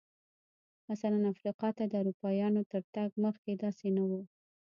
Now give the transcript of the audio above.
مثلاً افریقا ته د اروپایانو تر تګ مخکې داسې نه و.